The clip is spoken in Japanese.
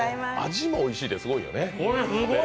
味もおいしいってすごいよね。